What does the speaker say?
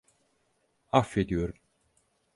Affediyorum.